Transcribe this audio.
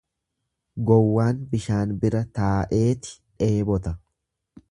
Gowwaan bishaan bira ta'eeti dheebota.